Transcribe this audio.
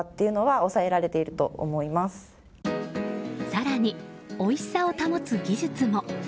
更に、おいしさを保つ技術も。